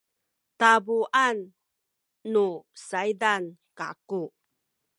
tabuan nu saydan kaku